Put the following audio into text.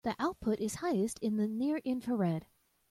The output is highest in the near infrared.